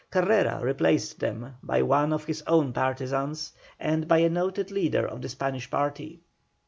Carrera replaced them by one of his own partisans and by a noted leader of the Spanish party.